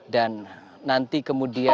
dan nanti kemudian